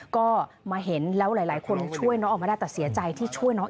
ก็มาเห็นแล้วหลายคนช่วยน้องออกมาได้แต่เสียใจที่ช่วยน้อง